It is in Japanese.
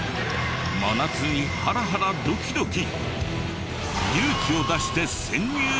真夏にハラハラドキドキ！